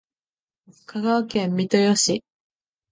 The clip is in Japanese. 香川県三豊市